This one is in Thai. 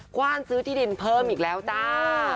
กว้างซื้อที่ดินเพิ่มอีกแล้วจ้า